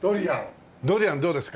ドリアンどうですか？